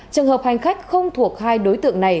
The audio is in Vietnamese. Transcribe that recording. trường hợp hành khách không thuộc hai đối tượng này